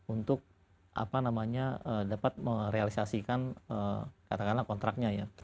untuk apa namanya dapat merealisasikan katakanlah kontraknya ya